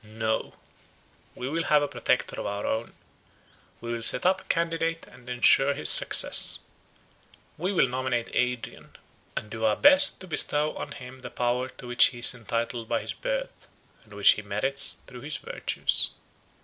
No, we will have a Protector of our own. We will set up a candidate, and ensure his success. We will nominate Adrian, and do our best to bestow on him the power to which he is entitled by his birth, and which he merits through his virtues.